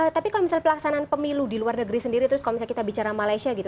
tapi kalau misalnya pelaksanaan pemilu di luar negeri sendiri terus kalau misalnya kita bicara malaysia gitu